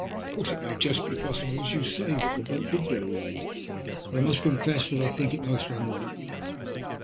Of course it may be just possible, as you say, that a boat did get away ; but I must confess that I think it is most] unlikely.